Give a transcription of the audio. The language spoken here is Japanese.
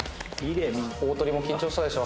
大トリも緊張したでしょ？